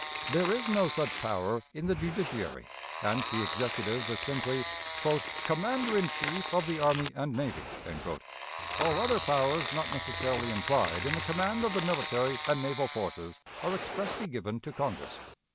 There is no such power in the judiciary, and the Executive is simply "commander in chief of the army and navy"; all other powers not necessarily implied in the command of the military and naval forces are expressly given to Congress.